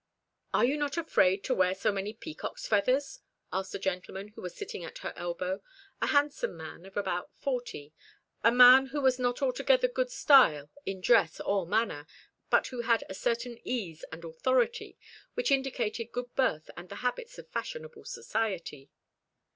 "Are you not afraid to wear so many peacocks' feathers?" asked a gentleman who was sitting at her elbow, a handsome man of about forty a man who was not altogether good style in dress or manner, but who had a certain ease and authority which indicated good birth and the habits of fashionable society.